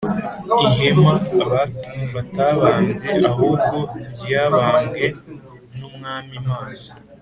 Ihema batabambye ahubwo ryabambwe n’Umwami Imana